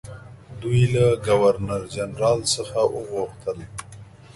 دوی له ګورنرجنرال څخه وغوښتل.